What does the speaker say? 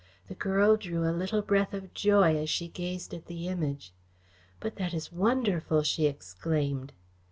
The girl drew a little breath of joy as she gazed at the Image. "But that is wonderful!" she exclaimed.